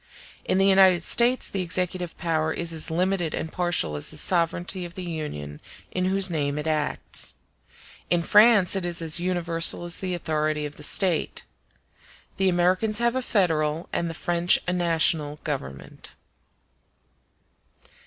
In the United States the executive power is as limited and partial as the sovereignty of the Union in whose name it acts; in France it is as universal as the authority of the State. The Americans have a federal and the French a national Government.